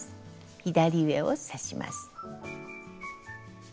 左上を刺します。